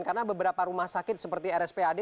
karena beberapa rumah sakit seperti rspad